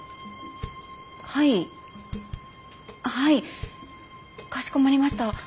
はいはいかしこまりました。